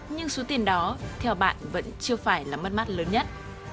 nhưng số tiền đó theo bạn vẫn chưa phải là mất mát lớn nhất